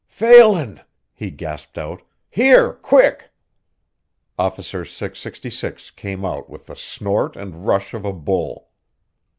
"Phelan!" he gasped out. "Here, quick!" Officer 666 came out with the snort and rush of a bull.